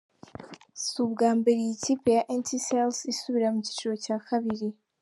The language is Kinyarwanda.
Si ubwa mbere iyi kipe ya Etincelles isubira mu cyiciro cya kabiri.